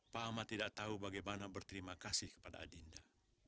pak ahmad tidak tahu bagaimana berterima kasih kepada adinda